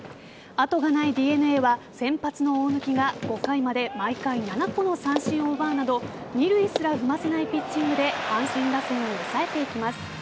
後がないＤｅＮＡは先発の大貫が５回まで毎回７個の三振を奪うなど二塁すら踏ませないピッチングで阪神打線を抑えていきます。